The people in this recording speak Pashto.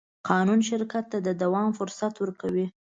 قانون شرکت ته د دوام فرصت ورکوي.